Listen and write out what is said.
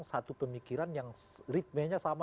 satu pemikiran yang ritmenya sama